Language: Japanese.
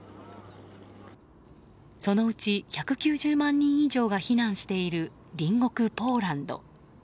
そのうち１９０万人以上が避難している隣国ポーランド。